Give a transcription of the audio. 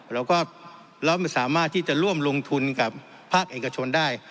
เราไม่สามารถที่จะร่วมลงทุนกับภาคเอกชนได้